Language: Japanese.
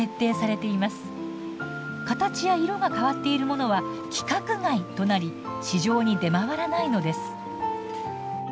形や色が変わっているものは「規格外」となり市場に出回らないのです。